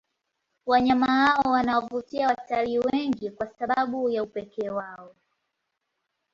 Wanyama hao wanawavutia watalii wengi kwa sababu ya upekee wao